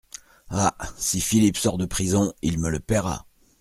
Ah ! si Philippe sort de prison, il me le payera.